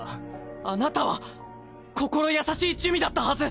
あなたは心優しい珠魅だったはず。